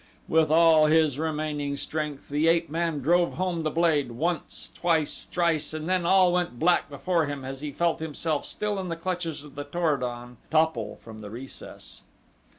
With all his remaining strength the ape man drove home the blade once, twice, thrice, and then all went black before him as he felt himself, still in the clutches of the Tor o don, topple from the recess.